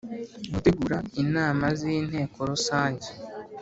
Gutegura Inama z inteko rusange